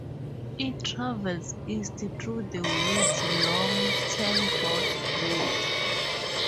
It travels east through the woods along Ten Rod Road.